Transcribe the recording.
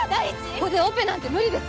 ここでオペなんて無理です